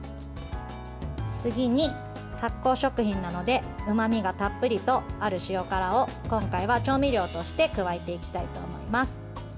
次に、発酵食品なのでうまみがたっぷりとある塩辛を今回は調味料として加えていきたいと思います。